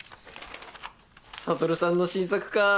悟さんの新作か。